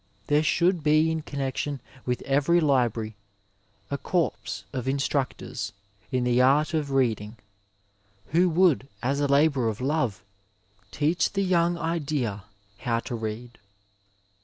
There should be in connection with every library a corps of instructors in the art of reading, who would, as a labour of love, teach the young idea how to read.